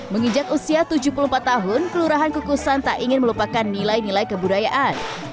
menginjak usia tujuh puluh empat tahun kelurahan kukusan tak ingin melupakan nilai nilai kebudayaan